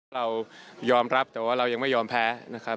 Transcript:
เรายอมรับแต่ว่าเรายังไม่ยอมแพ้นะครับ